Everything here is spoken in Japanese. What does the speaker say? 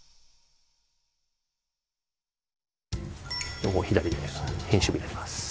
ここを左で編集部になります。